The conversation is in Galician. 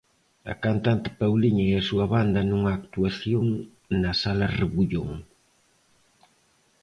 A cantante Pauliña e a súa banda nunha actuación na Sala Rebullón.